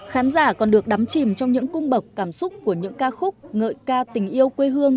khán giả còn được đắm chìm trong những cung bậc cảm xúc của những ca khúc ngợi ca tình yêu quê hương